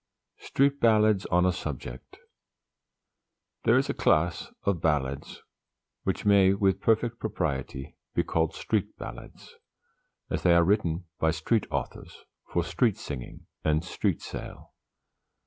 _ "STREET BALLADS ON A SUBJECT." There is a class of ballads which may with perfect propriety be called street ballads, as they are written by street authors for street singing and street sale.